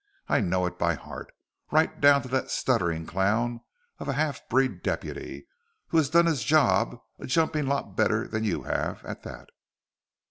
"I know it by heart right down to that stuttering clown of a half breed deputy, who has done his job a jumping lot better than you have, at that!"